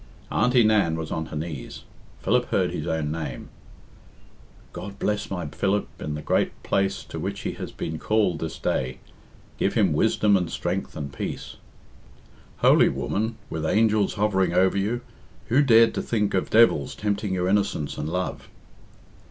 Auntie Nan was on her knees. Philip heard his own name "God bless my Philip in the great place to which he has been called this day. Give him wisdom and strength and peace!" Holy woman, with angels hovering over you, who dared to think of devils tempting your innocence and love?